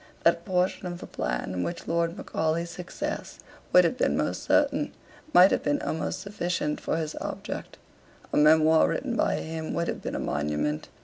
That portion of the plan in which Lord Macaulay's success would have been most certain might have been almost sufficient for his object. A memoir written by him would have been a monument.